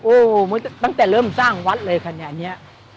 โอ้โหตั้งแต่เริ่มสร้างวัดเลยขนาดนี้